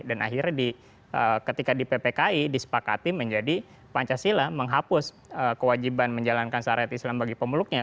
dan akhirnya ketika di ppki disepakati menjadi pancasila menghapus kewajiban menjalankan syariat islam bagi pemeluknya